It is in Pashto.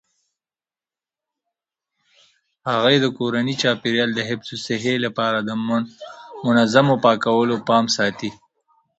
هغې د کورني چاپیریال د حفظ الصحې لپاره د منظمو پاکولو پام ساتي.